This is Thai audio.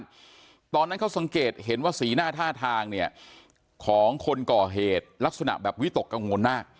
อยู่ที่หน้าบ้านตอนนั้นเขาสังเกตเห็นว่าสีหน้าท่าทางเนี่ยของคนก่อเหตุลักษณะแบบวิตกกังวลน่ะ